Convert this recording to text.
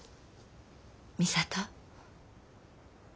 美里。